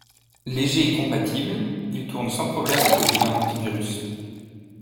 Léger et compatible, il tourne sans problème à côté d'un anti-virus.